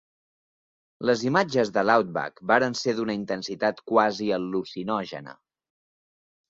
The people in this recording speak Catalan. Les imatges de l'Outback varen ser d"una intensitat quasi al·lucinògena.